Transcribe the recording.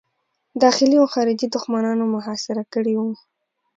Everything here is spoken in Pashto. داخلي او خارجي دښمنانو محاصره کړی وو.